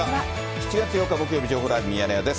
７月８日木曜日、情報ライブミヤネ屋です。